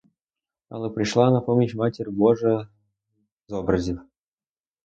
Але прийшла на поміч матір божа з образів.